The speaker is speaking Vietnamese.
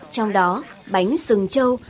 trong đó bánh sừng trâu